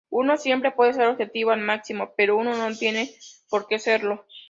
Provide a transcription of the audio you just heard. Uno siempre puede ser objetivo al máximo, pero uno no tiene por que serlo.